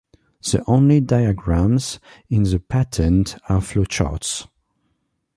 The only diagrams in the patent are flowcharts.